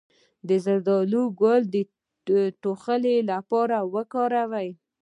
د زردالو ګل د ټوخي لپاره وکاروئ